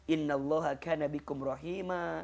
innalloha khanabikum rahima